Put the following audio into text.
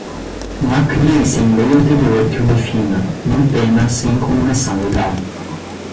não há crime sem lei anterior que o defina, nem pena sem cominação legal